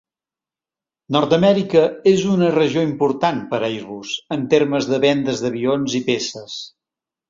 Nord-amèrica és una regió important per Airbus en termes de vendes d'avions i peces.